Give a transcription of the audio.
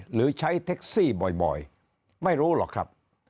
หรือใช้เท็กซี่บ่อยไม่รู้หรอกครับ